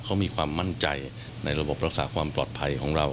เขามีความมั่นใจในระบบรักษาความปลอดภัยของเรา